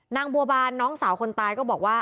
นางบัวบานน้องสาวคนตายก็บอกว่า